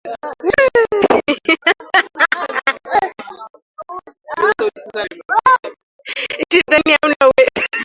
Shetani hauna uwezo.